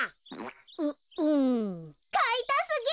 ううん。かいたすぎる！